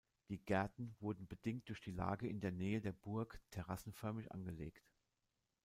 Die Gärten wurden bedingt durch die Lage in der Nähe der Burg terrassenförmig angelegt.